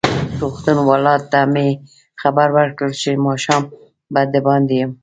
روغتون والاوو ته مې خبر ورکړ چې ماښام به دباندې یم.